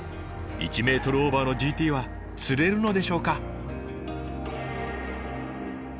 １ｍオーバーのＧＴは釣れるのでしょうか？